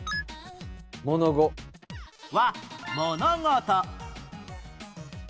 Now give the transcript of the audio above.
は「物事」